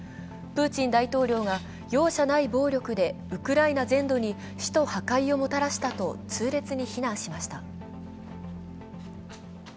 プーチン大統領が容赦ない暴力でウクライナ全土に死と破壊をもたらしたと痛烈に非難しました。